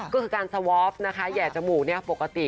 ก็คือการสวอปแหย่จมูกปกติ